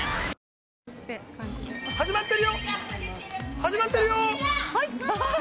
始まってるよ。